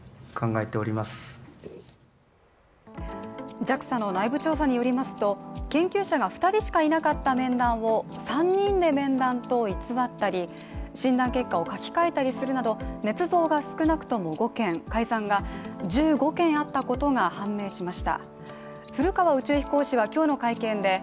ＪＡＸＡの内部調査によりますと、研究者が２人しかいなかった面談を３人で面談と偽ったり診断結果を書き換えたりするなど、ねつ造が少なくとも５件、改ざんが１５件あったことが判明しました。